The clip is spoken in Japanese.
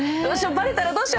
バレたらどうしよう。